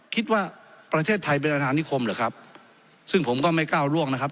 คิดว่าประเทศไทยเป็นประธานนิคมเหรอครับซึ่งผมก็ไม่ก้าวร่วงนะครับ